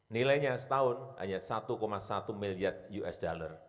nilainya setahun hanya satu satu miliar usd